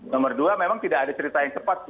nomor dua memang tidak ada cerita yang cepat